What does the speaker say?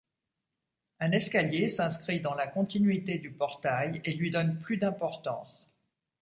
Un escalier s'inscrit dans la continuité du portail et lui donne plus d'importance.